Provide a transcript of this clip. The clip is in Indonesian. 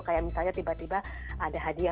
kayak misalnya tiba tiba ada hadiah